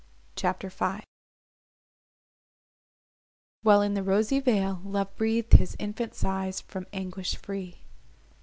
CHAPTER V While in the rosy vale Love breath'd his infant sighs, from anguish free.